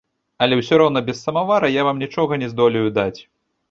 Але ўсё роўна без самавара я вам нічога не здолею даць.